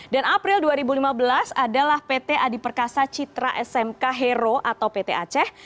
dan april dua ribu lima belas adalah pt adi perkasa citra smk hero atau pt aceh